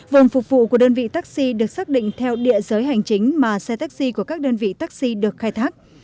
vùng phục vụ của đơn vị taxi được xác định theo địa giới hành chính mà xe taxi của các đơn vị taxi được khai thác